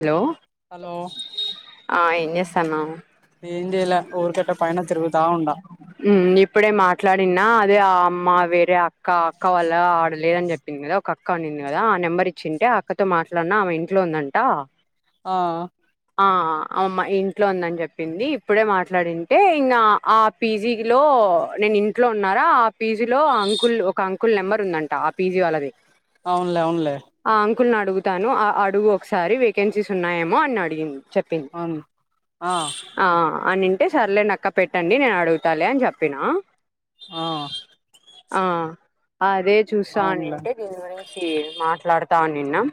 Hello hello అ ఎస్ న్నావ్ ఏం చేయలే ఊరికట్ట పైన తిరుగుతా ఉండా మ్ ఇప్పుడే మాట్లాడినా అదే ఆ అమ్మ వేరే అక్క అక్క వాళ్ల ఆడ లేరని చెప్పింది కదా ఒక అక్క అనింది కదా ఆ నెంబర్ ఇచ్చింటే ఆ అక్కతో మాట్లాడిన ఆమె ఇంట్లో ఉందంట ఆ అమ్మా ఇంట్లో ఉందని చెప్పింది ఇప్పుడే మాట్లాడింటే ఇంకా ఆ పీజీలో నేను ఇంట్లో ఉన్నారా ఆ పీజీలో అంకుల్ ఒక అంకుల్ నెంబర్ ఉందంట ఆ పీజీ వాళ్ళది అవునులే అవునులే కుల్ అడుగుతాను ఆ అడుగు ఒకసారి వే వెకెంసీస్ ఉన్నాయేమో అని అడిగింది చెప్పింది అవును ఆ ఆ అనింటే సర్లే నక్క పెట్టండి నేను అడుగుతాలే అని చెప్పినా ఆ ఆ అదే అవునులే చూస్తావునింటే దీని గురించి మాట్లాడ్ తానినం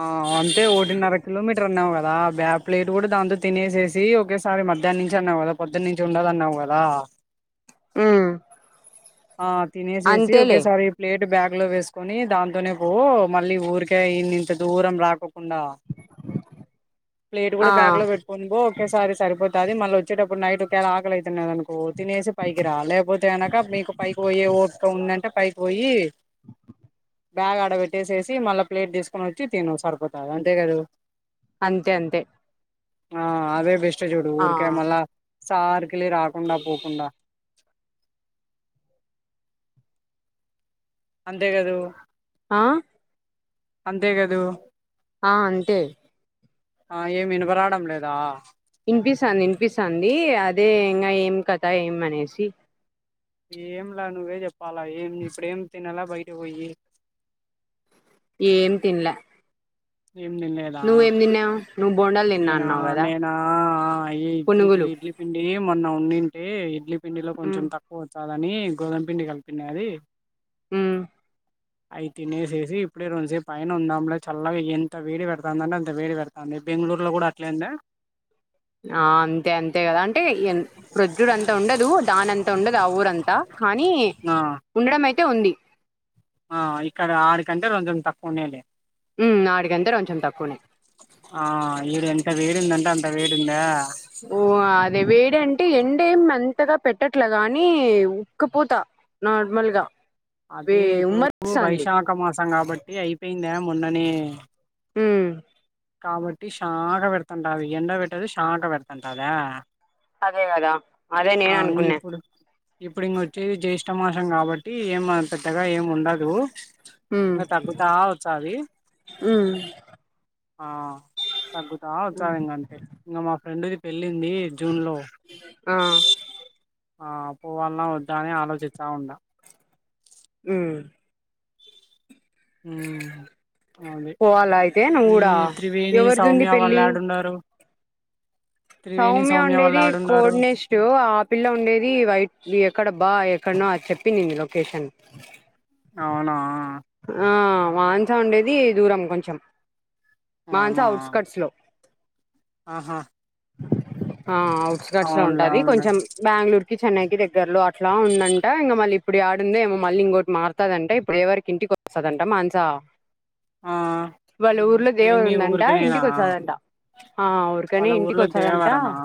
ఆ అంతే ఒకటిన్నర కిలోమీటర్ అన్నావ్ కద ద బ్యా ప్లేట్ కూడా దాంతో తినేసేసి ఒకేసారి మధ్యాహ్న నుంచి అన్నావు కదా పొద్దనుంచి ఉండదన్నావు కదా మ్ ఆ తినేసేసి ఒకేసారి ప్లేట్ బ్యాగ్ లో వేసుకొని దాంతోనే పో మళ్ళీ ఊరికే ఇన్ని ఇంత దూరం రాక ఉన్నా ప్లేట్ ఆ కూడా బ్యాగ్ లో పెట్టుకొని పో ఒకేసారి సరిపోతుంది టాది మళ్ళీ వచ్చేటప్పుడు నైట్ ఒకేళ ఆకలైతున్నది అనుకో తినేసి పైకి రా లేకపోతే కనక మీకు పైకి పోయే ఓపీక ఉందంటే పైకి పోయి బ్యాగ్ ఆడబెట్టేసేసి మళ్ళీ ప్లేట్ తీసుకొని వచ్చి తను సరిపోతది అంతేకదు అంతే అంతే ఆ అవే బెస్ట్ వచ్చా చూడు ఆ ఊరికే మలా సార్ కిలి రాకుండా పోకుండా అంతే కదూ ఆ అంతే కదు ఆ అంతే ఆ ఏమి వినబరాడం లేదా వినిపిస్తాంది వినిపిస్తాంది అదే ఇంకా ఏం కథ ఏమ్ అనేసి ఏంలా నువ్వే చెప్పాలా ఏం ఇప్పుడేం తినేలా బయట పోయి ఏం తిన్ల ఏం తిన్లేదా నువ్వు బోండాలు తిన్నా నేనా అన్నావు కదా నేనా అ ఇడ్లీ పునుగులు ఇడ్లీ పిండి మొన్న ఉన్నింటే ఇడ్లీ పిండిలో మ్ కొంచం తక్కువ వచ్చ కాదని గోధుమ పిండి కలిపిినయి అది మ్ అవి తినేసేసి ఇప్పుడే రెంసేపు పైన ఉందాంలే చల్లగా ఎంత వేడి పెడతుందింటే అంత వేడి పెడతుంది బెంగళూరులో కూడా అట్లేంద ఆ అంతే అంతే కదా అంటే ప్రొజుడ అంతా ఉండదు దాని అంత ఉండదు ఆ ఊరంతా కానీ ఆ ఉండడం అైతే అ ఉంది [inaudible] ఆ ఇక్కడ ఆడు కంటే రోజం తక్కువ ఉన్నాయిలే ఉ నాడి గంట కొంచెం తక్కువనే అంట వీడుంద ఓ అదే వేడంటే ఎండేంత అంతగా పెట్టట్లే గాని ఉక్కుపోతా నార్మల్గా అది ఇప్పుడు వైశాఖ మాసం కాబట్టి అయిపోయిందే మొన్నని అ కాబటి శాఖ పెడతండావి ఎండ పెట్టది టమాటా పెట్టనంతదే అదే కదా అదే నేను అనుకున్నా ఇప్పుడు ఇప్పుడు ఇంకొచ్చేది జ్యేష్ట మాసం కాబట్టి ఏం పెద్ద ఏం ఉండదు ఉమ్ ఇకా తగ్గుతా వచ్చంది ఉమ్ ఆ తగ్గుతా వచ్చా ఇంకంటే ఇంకా మా ఫ్రెండు పెళ్ళింది జూన్లో ఆ ఆ అప్పు వలన వద్దా అని ఆలోచిించా ఉండ అ ఉహ్ అదే పోవాలా అయితే నువ్వు మీ కూడా త్రివేణి ఎవరిదుంది సౌమ్య వాళ్ళు పెళ్ళి ఏడున్నారు సౌమ్య ఉండేది యాడుండారు కోడి నెస్ట్ ఆపిల్ల ఉండేది వైట్ ఎక్కడ బా ఎక్కడనో అది చెప్పింది లొకేషన్ అవునా ఆ మనస ఉండేది దూరం కొంచెం మాసా అవునా ఔట్స్కట్స్ లో ఆహా ఆ అఔట్స్కట్స్ లో అవునులే ఉంటాది అవునులే కొంచెం బెంగళూర్ క తన్నింటి దగ్గర్లో లా ఉందంట ఇంగా మళ్ళీ ఇప్పు ఆడుంద ఏమో మళ్ ఇంకోటి మారుతా అంట ఇప్పు ఎవరికి ఇంటికి వస్తదంట మానస ఆ వాళ్ళ ఊర్లో దేవత ఏమి ఉందంట ఊరికనేనా ఇంటికి వచ్చదంట ఆ ఊరికనే వాళ్ళ ఇంటికి ఊర్లో వచ్చదంట దేవరనా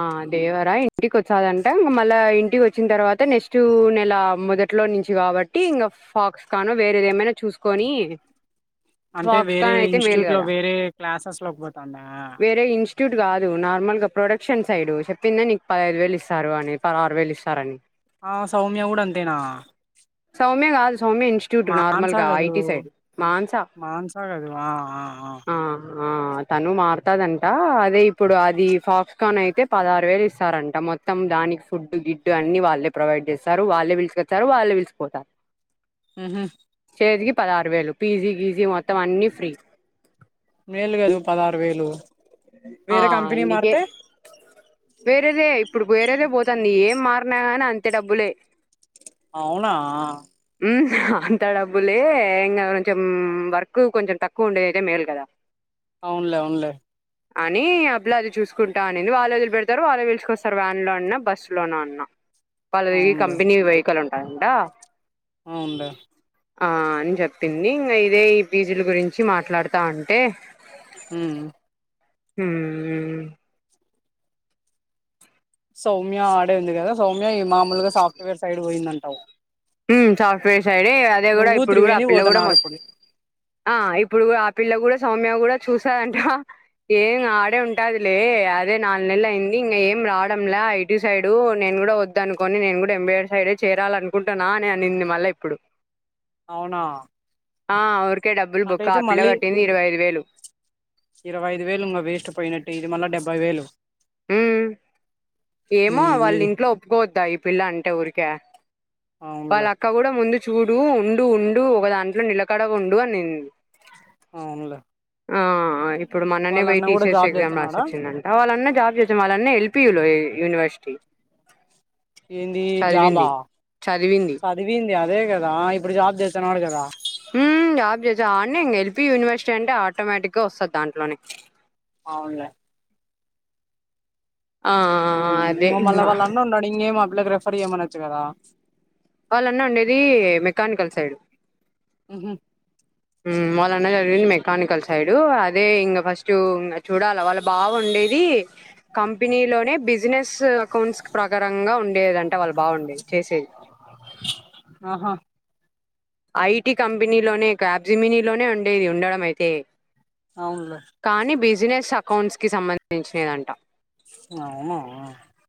ఆ దేవర ఇంటికి వచ్చాదంటే ఇ మళ్ళ ఇంటికి వచ్చిన తర్వాత అంటే నెక్స్ట్ నెల మొదటి ఇట్లో నుంచి కాబట్టి ఇంకా ఫాక్స్ కాను వేరేది ఏమైనా చూసుకొని అంటే ఫాక్స్ వేరే కాన్ అయితే మేలు ఇన్స్టిట్యూట్ లో కదా వేరే క్లాసెస్ లోకి పోతందా ్యూట్ కాదు నార్మల్ గా ప్రొడక్షన్ సైడ్ చెప్పిందా నీకు పదహైదు వేలు ఇస్తారు అని పదహరు వేలు ఇస్తారని ఆ సౌమ్య కూడా అంతేనా సౌమ్యగాల్ సౌమ్య ఇన్స్టిట్యూట్ మాన్సా నార్మల్గా కదు ఐటి సైడ్ మాంసా మాన్సా కదు ఆ ఆ ఆ హ ఆ తను మారుతాదంట అదే ఇప్పుడు అది ఫాక్స్కాన్ అయితే పదహారు వేలు ఇస్తారంట మొత్తం దానికి ఫుడ్ గిడ్డు అన్ని వాళ్ళే ప్రొవైడ్ చేస్తారు వాళ్ళే పిలుసుకొచ్చారు వాళ్ళే పిలిసిిపోతారు హ్మ్మ్ తేకి పదహారు వేలు పీజీ గీజీ మొత్తం అన్నిీ ఫ్రీ మేలు కదు పదహారు వేలు ఆ వేరే కంపెనీ అందుకే మారితే వేరేదే ఇప్పుడు వేరేదే పోతుాంది ఏం మారిన కాగాని అంతే అ డబ్బులే అవునా అంత డబ్బులే ఇంక కొంచెం వర్క్ కొంచెం తక్కువ ఉండేది అయితే మేలు కదా అవునులే అవున్లే అని అబ్లా అది చూసుకుంటా అనింది వాళ్ళు వదులి పెడతారు వాళ్ళు పలుచకొస్తారు వ్యాన్లో అన్న బస్సులోన అన్నా పళ అవునులే కంెనీ వివహికల్ ఉంట అంట అవునులే ఆ అని చెప్పింది ఇంకా ఇదే ఈ పీజుల గురించి మాట్లాడుతా ఉంటే హిం హ్మ్మ్ సౌమ్య ఆడే ఉంది కదా సౌమ్య ఈ మామూలుగా సాఫ్ట్వేర్ సైడ్ పోయిందంటావె ఉమ్ సాఫ్టువేర్ సైడ అదే కూడా ఇప్పుడు కూడా త్రివేణి ఆ పిల్ల కూడా పోతున్నారు మొత్తం ఇప్పుడు ఇప్పుడు కూడా పిల్ల కూడా సౌమ్య కూడా చూసాదంట ఏం ఆడే ఉంటాదిలే అదే నాలు నెల అయింది ఇంక ఏం రావడంలే ఐటీ సైడు నేను కూడా వదు అనుకోని నేను కూడా ఎంబీర్ సైడే చేరాలనుకుంట నానే అనింది మళ్ళా ఇప్పుడు ఆ డబ్బులు బొక్క ఆ అట్యితే పిల్ల మళ్ళీ కట్టింది ఇరవై ఐదు వేలు ఇరవై ఐదు వేలు ఇంకా వేస్ట్ పోయినట్టు ఇది మళ్ళీ డెబ ముప్పై వేలు ఉ ఏమో ఉమ్ వాళ్ళు ఇది ఇంట్లో ఒప్పుకోవద్దా ఈ పిల్ల అంటే ఊరికే వాళ్ళ అవునులే అక్క కూడా ముందు చూడు డు ఉండు ఉండు ఒక దాంట్లో నిలకడ ఉండు అనింది అవునులే ఆ ఇప్పుడు మననే పోయి వాళ్ళన్న కూడా టీసీఎస్ జాబ్ ఎగ్జా రాసి చేస్తున్నాడా వచ్చిందంట వాళ్ళ జాబ్ చేసిన వన్ని ఎల్పీయూ యూనివర్సిటీ ఏంది జాబా చదివింది ఆ చదివింది చదివింది అదే కదా ఇప్పుడు జాబ్ చేస్తున్నాడు కదా ఎల్పీయూ యూనివర్సిటీ అంటే ఆర్ట్ ఆటోమేటిక్ గ వస్తది దాంట్లోనే అవునులే ఆ అదే మళ్ళ ఇంగ వాళ్ళ అన్న ఉన్నాడు ఇంకేం ఇ రెఫర్ చేయమనొచ్చు కదా వాళ్ళన్నా ఉండేదీ మెకానికల్ సైడ్ ఉహు వాళ్ళన్న జరిగింది మెకానికల్ సైడ్ అదే ఇంకా ఫస్ట్ ఇ చూడాల వాళ్ళ బావుండేది కంపెనీలోనే బిజినెస్ అకౌంట్స్ ప్రకారం ఇంకా ఉండేది వాళ్ళబావుండేది చేసేది ఆహా ఐటి కంపెనీలోనే క్యాప్‌జెమిని లోనే ఉండేది ఉండడం అయితే అవునులే కానీ బిజినెస్ అకౌంట్స్కి సంబంధించినదంట అవునా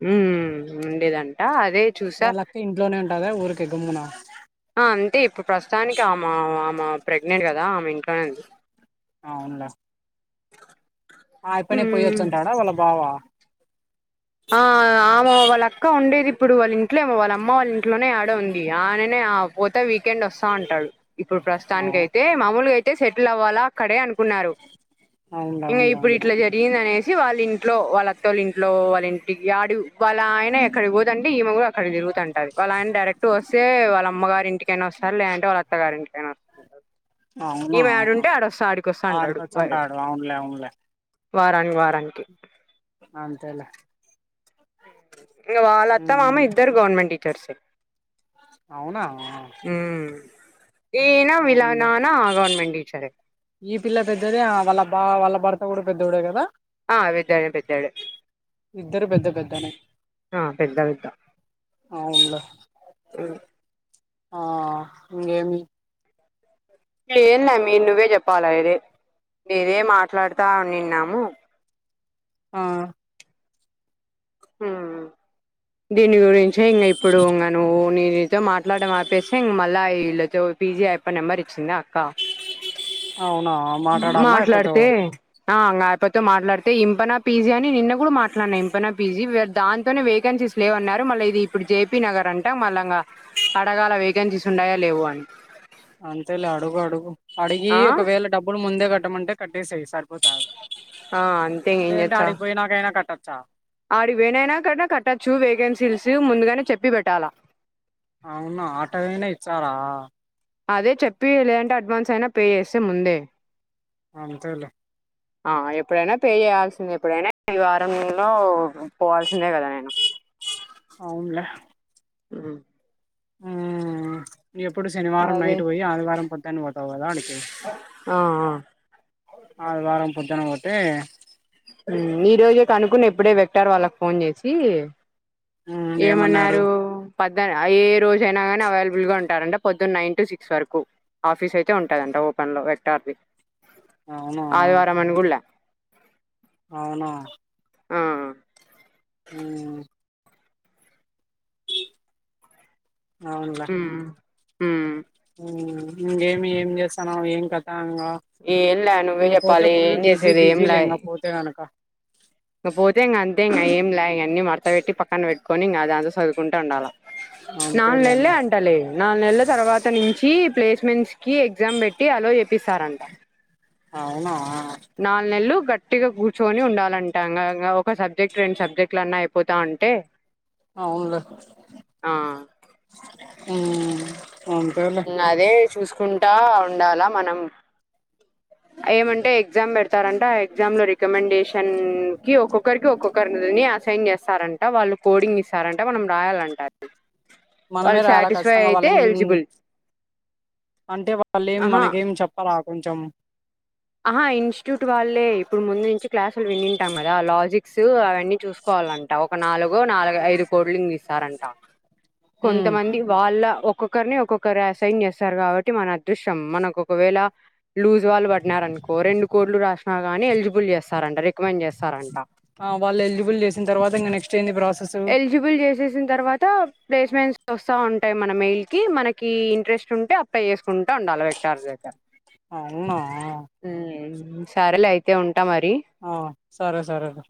మ్మ్ ఉండేదంట అదే చూసా వాళ్ళక్క ఇంట్లోనే ఉంటద ఊరికె గమ్మున ఆ అంటె ఇప్పుడు ప్రస్తుతానికి ఆ ఆమె ప్రెగ్నెంట్ కద [inaudible] ఆ ఉంద ఆ యప్పనే ఉమ్ పోయిచ్చంటాడా వాళ్ళ బావ ఆ ఆమె వాళ్ళ అక్క ఉండేది ఇప్పుడు వాళ్ళ ఇంట్లో వాళ్ళ అమ్మ వాళ్ళ ఇంట్లోనే యాడో ఉంది ఆయాననే ఆ పోత వీకెన్డి వస్తుంటాడు ఇప్పుడు ప్రస్తుతానికి అవును అయితే మామూలుగా అయి అంటే సెటిల్ అవ్వాల అక్కడే అని ఉన్నారు అవునులే ఇంగ అవునులే ఇప్పుడు అవునులే ఇట్ల జరిగిందనేసి వాళ్ళ ఇంట్లో వాళ్ళత్తోలు ఇంట్లో వాళ్ళఇం ఇంటి యాడు వాళ్ళ ఆయన ఎక్కడికి పోతంటే ఈమ కూడా అక్కడ తిరుగుతంటది వాళ్ళ ఆయన డైరెక్ట్ వస్తే వాళ్ళ అమ్మగారి ఇంటికైనా వస్తారు లేదంటే వాళ్ళ అత్తగారి ఇంటికైనా వస్తాంటారు అవునా ఈమె ఆడుంటే ఆడొస్తా ఆడికోసంటాడు అంటాడు ఆడికొచ్చంటాడు అవునులే అవునులే వారు వారానికి వారానికి అంతేలే ఉమ్ వాళ్ళత్తామామ ఇద్దరు గవర్నమెంట్ సర్ సే అవునా మ్మ్ ఈయన వీళ్ళ అవునులే నాన్న గవర్నమెంట్ టీచరే ఈ పిల్ల పెద్దదే వాళ్ళబ్బా వాళ్ళ భర్త కూడ పెద్దవుడే కద ఆ పెద్దాడు పెద్దాడు ఇద్దరు పెద్ద పెద్దనే ఆ పెద్ద పెద్ద అవునులే ఆ ఇంగేమి ఏం లే అమ్మి నువ్వే చెప్పాల అదే నేనేే మాట్లాడుతా నిన్నాము ఆ దీని గూడ ఏం. చి ఇప్పుడు ఇంగ నువ్వు నేను నీతో మాట్లాడ ఆపేస్తే ఇంక మళ్ళా వీళ్ళతో పీజీ అయిప్ప నెంబర్ ఇచ్చిందా అవునా మాట్లాడాలనా అయిపోతో మాట్లాడితే ఆ యపోతో మాట్లాడితే ఇంపనా పిజ్జా అని నిన్న కూడా మాట్లాడినా ఇంపన బీజీ దాంతోనే వేకెన్సీస్ లేవన్నారు మళ ఇది ఇప్పుడు జేపీ నగర్ అంట మళ్ళంగా అడగాల వేకెన్సీస్ ఉన్నాయో లేవో అని అంతలె అడుగు అడుగు. అడిగి ఆ ఒకవేళ డబ్బులు ముందే కట్టమంటే కట్ట సే సార్ పోత ఆ అంతే లేదంటే అడిగిపోయి నాకైనా కట్ట చ ఆడివేనైనా కదా కట్టచ్చు వేకెన్సీస్ ముందుగానే చెప్పి పెట్టాలా. అవును ఆట వేనా ఇచ్చారా అదే చెప్పి లేదంటే అడ్వాన్స్ అయినా పే చేస్తే ముందే అంతేలే ఆ ఎప్పుడైనా పే చేయాల్సిందే ఎప్పుడైనా ఈ వారంలో పోవాల్సిందే కదా నేను. అవునులే ఉమ్ ఊ మ్ ఎప్పుడు శనివారం అదే నైట్ పోయి ఆదివారం పొద్దు ఆ హా ఆదివారం పొద్దున పోతే ఈ రోజే కనుకుని ఎప్పుడే పెట్టారు వాళ్ళకి ఫోన్ చేసి. కీ ఏమన్నారు. పద్ ఏ రోజ అయినా గాని అవైలబుల్ గా ఉంటారంట పొద్దున్న నైన్ టు సిక్స్ వరకు ఆఫీస్ అయితే ఉంటుందంట ఓపెన్ లో వక్టార్ది. అవునా ఆదివరం అనికుళ అవునా ఆ ఉమ్ అవునులే ఉమ్ ఉమ్ ఇంగేమీ ఏం చేస్తానవు ఏం కత ఆంగా ఏంలే నువ్వే ఇంగా పోతే చెప్పాలి ఫుల్ ఏం బిజీ చేసేది బిజీలే ఏంలే ఇంగా ఇంగ పోతే కనక పోతే ఇంగ అంతే ఇంగ ఏంలే ఇంగ అన్ని మడత పెట్టి పక్కన పెట్టుకొని ఇంగ దాంతో చదుకుంట ఉండాల నాలుగు అంతేలే నెలే అంటలే నాలు నెలల తర్వాత నుంచి ప్లేస్ మెన్స్ కి ఎగ్జామ్ పెట్టి అలో చెప్పస్తారంట అవునా గట్టిగా కూర్చుని ఉండాలంటా ఒక సబ్జెక్ట్ రెండు సబ్జెక్టులులన్నా అయిపోతా ఉంటే అవునులే ఆ ఉమ్ అంతేలే ఇంగ అదే చూస కుంటా ఉండాల మనం ఏమంటే ఎగ్జామ్ పెడతారంట ఆ ఎగ్జామ్ లో రికమెండేషన్ కి ఒక్కొక్కరికి ఒక్కొక్కరిని అసైన్ చేస్తారంట వాళ్ళు కోడింగ్ ఇస్తారంట మనం రాయాలంటా మనమే రాయాల ఖచ్చితంగా వాళ్ళం ఎలిజిబుల్ అంటే వాళ్ళ ఏం ఆహా మనకేం చెప్పారా కొంచెం ఆహా ఇన్స్టిట్యూట్ వాళ్ళే ఇప్పుడు ముందు నుంచి క్లాసులు వినింటాం కదా లాజిక్ క్స్ అవన్నీ చూసుకోవాలంట ఒక నాలుగుో నాలుగు ఐదు కోడింగ్ లు ఇస్తారంట ఉమ్ కొంతమంది వాళ్ళ ఒ ఒక్కొక్కరిని ఒక్కొక్కరు అసైన్య ఇస్తారు కాబట్టి మన అదృశ్యం మనకు ఒకవేళ లూజ్ వాళ్ళు ప రానుకో రెండు కోడ్లు రాసిన గానీ ఎలిజిబుల్ చేస్తారంటా ఆ వాళ్ళు ఎలిజిబుల్ చేసిన తర్వాత ఇంకా నెక్స్ట్ ఏంది ప్రాసెస్. ఎలిజిబుల్ చేసేసిన తర్వాత ప్లేస్మెంట్స్ వస్తా ఉంటాయి మన మెయిల్ కి మనకి ఇంట్రెస్ట్ ఉంటే అప్లై చేస్ ఉంటా ఉండాలి వెకటార్ దగ్గర అవునా ఊ సరేలే అయితే ఉం ఆ సరే సరే లె.